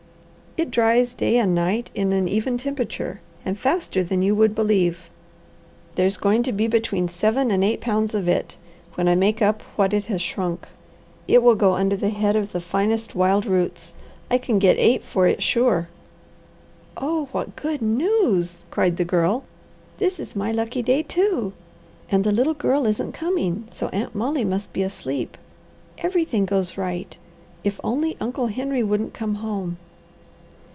"It dries day and night in an even temperature, and faster than you would believe. There's going to be between seven and eight pounds of it, when I make up what it has shrunk. It will go under the head of the finest wild roots. I can get eight for it sure." "Oh what good news!" cried the Girl. "This is my lucky day, too. And the little girl isn't coming, so Aunt Molly must be asleep. Everything goes right! If only Uncle Henry wouldn't come home!"